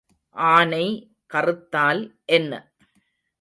ஆனை கறுத்தால் என்ன?